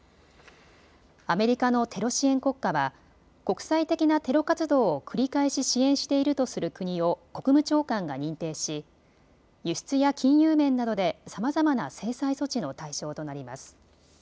アメリカのテロ支援国家は国際的なテロ活動を繰り返し支援しているとする国を国務長官が認定し輸出や金融面などでさまざまな制裁措置の対象となります。